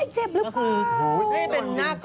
เจ็บหรือเปล่า